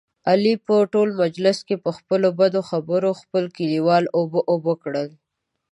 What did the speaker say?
علي په ټول مجلس کې، په خپلو بدو خبرو خپل کلیوال اوبه اوبه کړل.